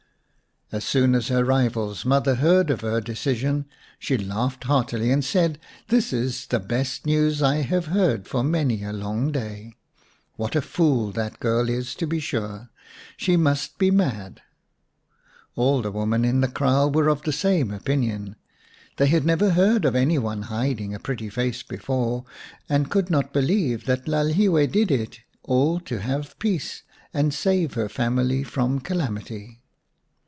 As soon as her rival's mother heard of her decision, she laughed heartily and said, " This is the best news I have heard for many a long day. What a fool that girl is, to be sure ! She must be mad." All the women in the kraal were of the same opinion. They had never heard of any one hiding a pretty face before, and could not believe that Lalhiwe did it all to have peace and save her family from calamity.